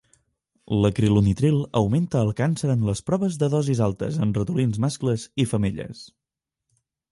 L'acrilonitril augmenta el càncer en les proves de dosis altes en ratolins mascles i femelles.